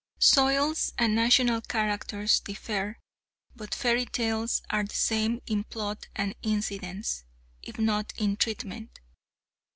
Soils and national characters differ; but fairy tales are the same in plot and incidents, if not in treatment.